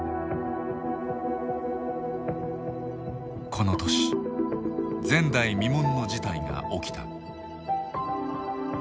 この年前代未聞の事態が起きた。